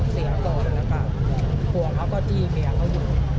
เสร็จแล้วเขาก็ยิงเมียเขาอีก